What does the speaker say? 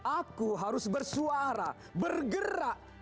aku harus bersuara bergerak